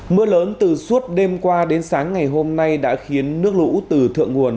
mưa lớn từ suốt đêm qua đến sáng ngày hôm nay đã khiến nước lũ từ thượng nguồn